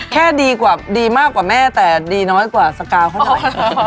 แค่ดีมากกว่าแม่แต่ดีน้อยกว่าสการก็ได้